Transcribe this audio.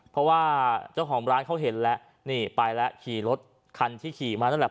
เพราะว่าเจ้าของร้านเขาเห็นแล้วนี่ไปแล้วขี่รถคันที่ขี่มานั่นแหละ